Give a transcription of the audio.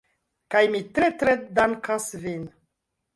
Kaj mi tre, tre dankas vin.